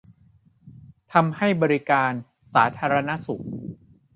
ทำให้บริการสาธารณสุข